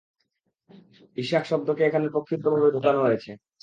ইসহাক শব্দকে এখানে প্রক্ষিপ্তভাবে ঢুকান হয়েছে।